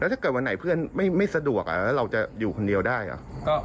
ถ้าเกิดวันไหนเพื่อนไม่สะดวกแล้วเราจะอยู่คนเดียวได้เหรอ